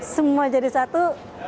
semua jadi satu